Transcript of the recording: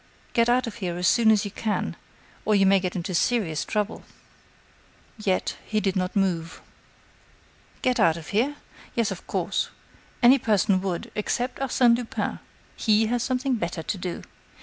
Get out of here as soon as you can, or you may get into serious trouble." Yet, he did not move. "Get out of here? Yes, of course. Any person would, except Arsène Lupin. He has something better to do.